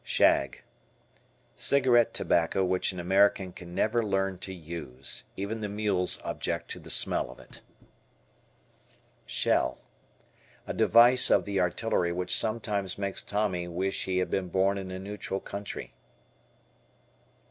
Shag. Cigarette tobacco which an American can never learn to use. Even the mules object to the smell of it. Shell. A device of the artillery which sometimes makes Tommy wish he had been born in a neutral country.